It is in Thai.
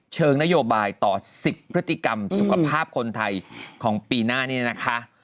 เชิงนโยบายต่อ๑๐พฤติกรรมสุขภาพคนไทยของปีหน้านี้นะคะ